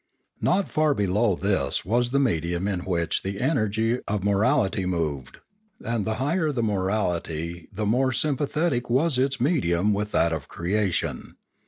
Not far below this was the medium in which the energy of morality moved; and the higher the morality the more sympathetic was its medium with that of creation.